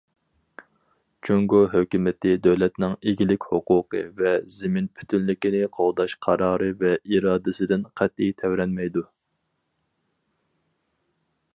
جۇڭگو ھۆكۈمىتى دۆلەتنىڭ ئىگىلىك ھوقۇقى ۋە زېمىن پۈتۈنلۈكىنى قوغداش قارارى ۋە ئىرادىسىدىن قەتئىي تەۋرەنمەيدۇ.